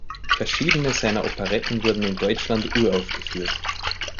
Verschiedene seiner Operetten wurden in Deutschland uraufgeführt.